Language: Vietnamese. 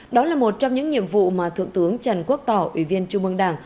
đó là một trong những nhiệm vụ mà thượng tướng trần quốc tỏ ủy viên trung mương đảng